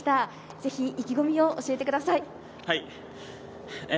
是非、意気込みを教えてください。